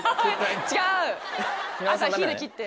「朝日」で切って。